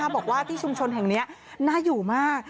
บอกว่าที่ชุมชนแห่งนี้น่าอยู่มาก